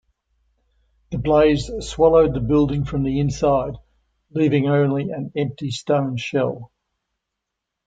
The blaze swallowed the building from the inside, leaving only an empty stone shell.